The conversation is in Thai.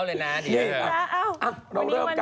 เธอไม่สวยด้วยแอ่บด้วยเริ่มเนี่ยเช้าเลยนะ